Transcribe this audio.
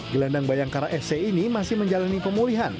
gelandang bayangkara fc ini masih menjalani pemulihan